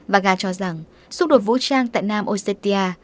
vanga cho rằng xúc đột vũ trang tại nam osetia